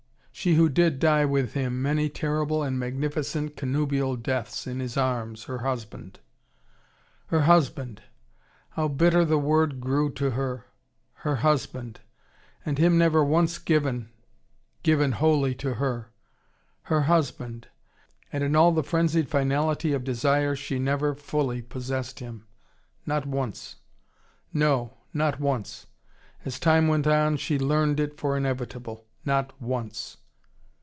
She who did die with him, many terrible and magnificent connubial deaths, in his arms, her husband. Her husband! How bitter the word grew to her! Her husband! and him never once given, given wholly to her! Her husband and in all the frenzied finality of desire, she never fully possessed him, not once. No, not once. As time went on, she learned it for inevitable. Not once!